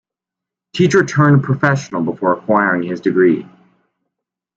Teacher turned professional before acquiring his degree.